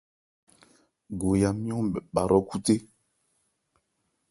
Goya nmyɔ̂n bha hrɔ́khúthé.